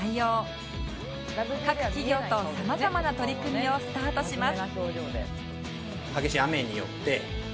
各企業と様々な取り組みをスタートします